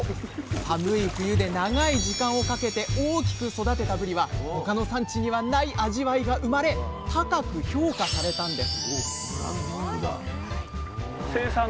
寒い冬で長い時間をかけて大きく育てたぶりは他の産地にはない味わいが生まれ高く評価されたんです